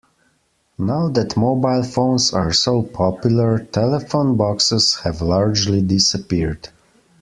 Now that mobile phones are so popular, telephone boxes have largely disappeared